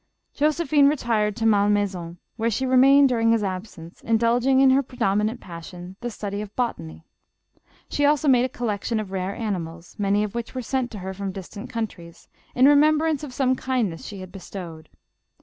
Josephine retired to Malmaison, where she remained during his absence, indulging in her predominant passion, the study of botany; she also made a collection of rare animals, many of which were sent to her from distant countries, in remem brance of some kindness she had bestowed.